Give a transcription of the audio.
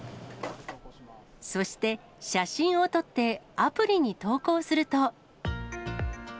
そして写真を撮って、アプリに投稿すると。